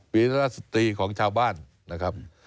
วิราศตรีของชาวบ้านนะครับ